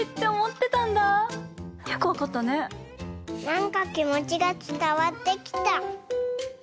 なんかきもちがつたわってきた。